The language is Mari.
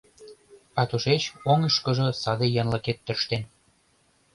А тушеч оҥышкыжо саде янлыкет тӧрштен.